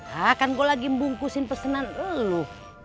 hah kan gue lagi membungkusin pesenan lu